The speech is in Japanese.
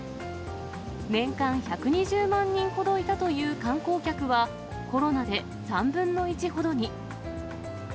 年間１２０万人ほどいたという観光客は、コロナで３分の１ほどに。